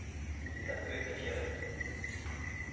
C’est un peu exagéré